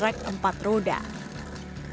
jangan lupa untuk berpenggerak empat roda